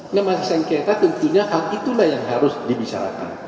nama sengketa tentunya hal itulah yang harus dibicarakan